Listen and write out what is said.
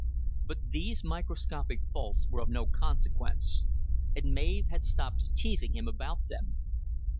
But these microscopic faults were of no consequence, and Mav had stopped teasing him about them.